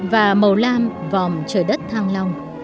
và màu lam vòm trời đất thang lòng